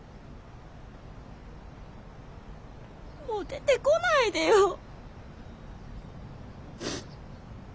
もう出てこないでよ！